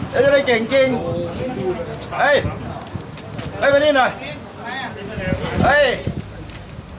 เดี๋ยวจะได้เก่งจริงเฮ้ยเฮ้ยมานี่หน่อยเฮ้ย